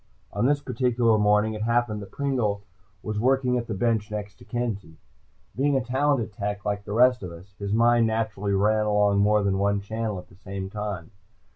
On this particular morning, it happened that Pringle was working at the bench next to Kenzie. Being a talented tech, like the rest of us, his mind naturally ran along more than one channel at the same time.